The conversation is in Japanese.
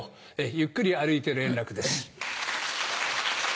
ゆっくり歩いてる円楽です。